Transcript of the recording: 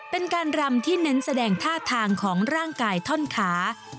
เป็นการรำที่เน้นแสดงท่าทางของร่างกายท่อนขา